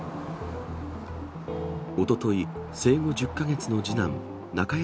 おととい、生後１０か月の次男、中山